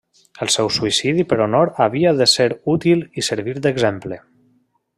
El seu suïcidi per honor havia de ser útil i servir d'exemple.